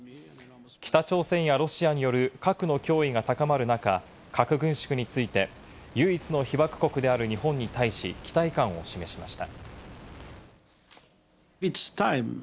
北朝鮮やロシアによる核の脅威が高まる中、核軍縮について唯一の被爆国である日本に対し、期待感を示しました。